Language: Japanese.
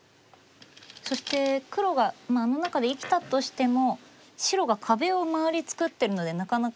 そして黒があの中で生きたとしても白が壁を周り作ってるのでなかなか。